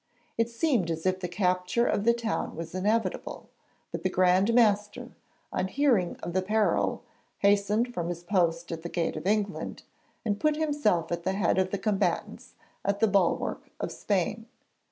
It seemed as if the capture of the town was inevitable, but the Grand Master on hearing of the peril hastened from his post at the gate of England, and put himself at the head of the combatants at the bulwark of Spain.